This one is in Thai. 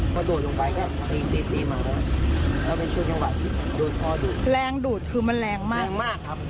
คุณผู้ชมคะ